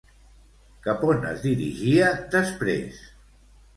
Cap on es dirigia després?